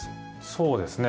そうですね。